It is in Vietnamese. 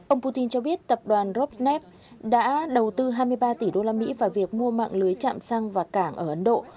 ông putin cho biết tập đoàn rosneft đã đầu tư hai mươi ba tỷ đô la mỹ vào việc mua mạng lưới chạm xăng và cảng ở ấn độ